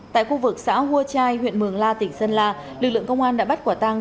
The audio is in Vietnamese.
tại khu vực xã hua trai huyện mường la tỉnh sơn la lực lượng công an đã bắt quả tăng